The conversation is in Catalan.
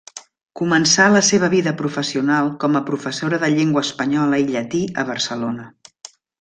Començà la seva vida professional com a professora de llengua espanyola i llatí a Barcelona.